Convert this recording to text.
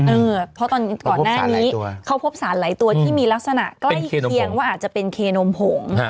เออเพราะตอนก่อนหน้านี้เขาพบสารหลายตัวที่มีลักษณะใกล้เคียงว่าอาจจะเป็นเคนมผง